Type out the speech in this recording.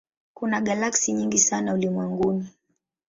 Kuna galaksi nyingi sana ulimwenguni.